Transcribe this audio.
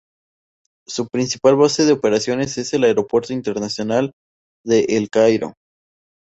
Su principal base de operaciones es el Aeropuerto Internacional de El Cairo.